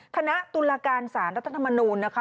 ตุลาการสารรัฐธรรมนูลนะคะ